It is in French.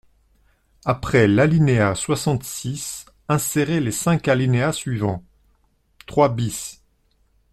Après l’alinéa soixante-six, insérer les cinq alinéas suivants :« trois bis.